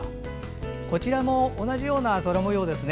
こちらも同じような空模様ですね。